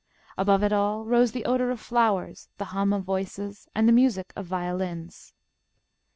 Above it all rose the odour of flowers, the hum of voices, and the music of violins.